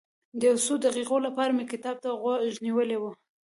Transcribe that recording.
د یو څو دقیقو لپاره مې کتاب ته غوږ نیولی و.